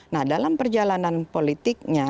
nah dalam perjalanan politiknya